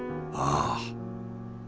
ああ。